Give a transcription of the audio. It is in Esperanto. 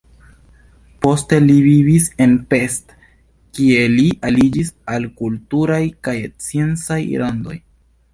Poste li vivis en Pest, kie li aliĝis al kulturaj kaj sciencaj rondoj.